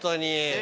え？